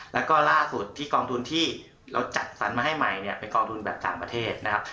แล้วก็ล่าสุดที่กองทุนที่เราจัดสรรมาให้ใหม่เนี่ยเป็นกองทุนแบบต่างประเทศนะครับ